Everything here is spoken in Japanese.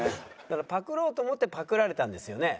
「だからパクろうと思ってパクられたんですよね？」。